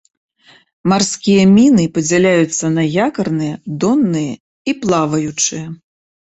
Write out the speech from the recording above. Марскія міны падзяляюцца на якарныя, донныя і плаваючыя.